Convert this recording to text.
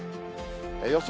予想